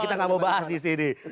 kita gak mau bahas disini